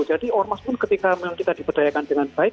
jadi ormas pun ketika memang kita diberdayakan dengan baik